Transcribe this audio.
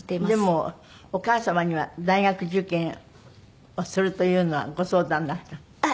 でもお母様には大学受験をするというのはご相談になった？